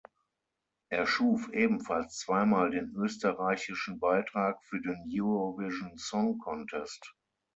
Er schuf ebenfalls zweimal den österreichischen Beitrag für den Eurovision Song Contest.